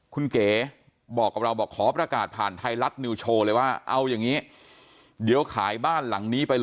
คุณเก๋บอกกับเรา